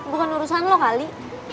bukan urusan lo kali